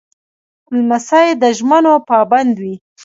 لمسی د ژمنو پابند وي.